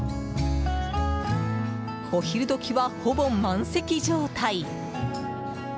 お昼時はほぼ満席状態。